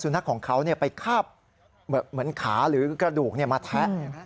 นักของเขาไปคาบเหมือนขาหรือกระดูกมาแทะ